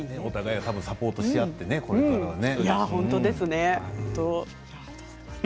サポートし合ってこれからはね。